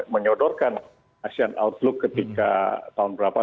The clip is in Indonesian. menyodorkan asean outlook ketika tahun berapa